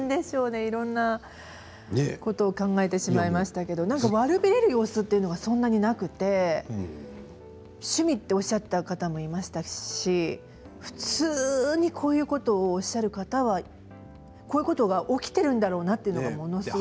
いろんなことを考えてしまいましたけど悪びれる様子が、そんなになくて趣味とおっしゃった方もいましたし普通にこういうことをおっしゃる方はこういうことが起きてるんだろうなという、ものすごく。